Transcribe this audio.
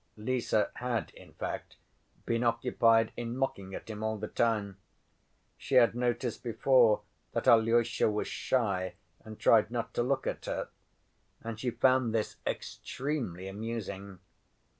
Lise had in fact been occupied in mocking at him all the time. She had noticed before that Alyosha was shy and tried not to look at her, and she found this extremely amusing.